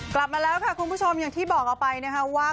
กลับมาแล้วค่ะคุณผู้ชมอย่างที่บอกเอาไปนะคะว่า